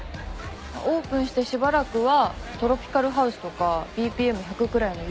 オープンしてしばらくはトロピカルハウスとかＢＰＭ１００くらいのゆっくりした曲流すの。